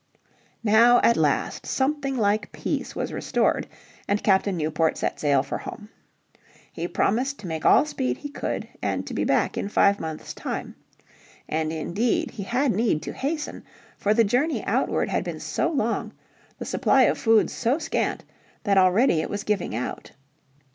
Now at last something like peace was restored, and Captain Newport set sail for home. He promised to make all speed he could and to be back in five months' time. And indeed he had need to hasten. For the journey outward had been so long, the supply of food so scant, that already it was giving out.